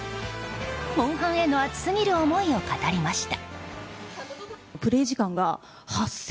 「モンハン」への熱すぎる思いを語りました。